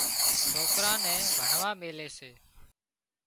سوڪران نين ڀڻوا ميلي سي